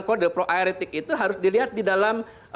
kode pro aeretik itu harus dilihat di dalam